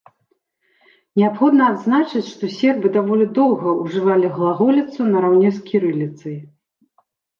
Неабходна адзначыць, што сербы даволі доўга ўжывалі глаголіцу нараўне з кірыліцай.